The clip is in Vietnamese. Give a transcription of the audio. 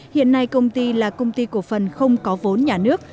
hiện nay công ty là công ty cổ phần không có vốn nhà nước